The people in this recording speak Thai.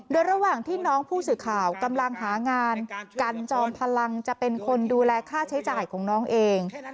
โดยระหว่างที่น้องผู้สื่อข่าวกำลังหางานกันจอมพลังจะเป็นคนดูแลค่าใช้จ่ายของน้องเอง